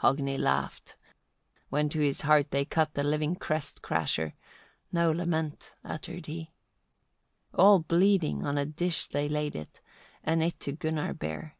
24. Hogni laughed, when to his heart they cut the living crest crasher; no lament uttered he. All bleeding on a dish they laid it, and it to Gunnar bare.